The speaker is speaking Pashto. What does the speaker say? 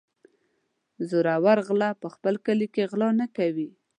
زورور غل په خپل کلي کې غلا نه کوي.